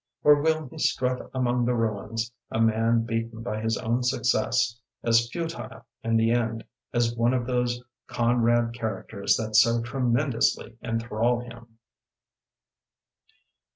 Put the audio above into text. Or will he strut among the ruins, a man beaten by his own suc cess, as futile, in the end, as one of those Conrad characters that so tre mendously enthrall him?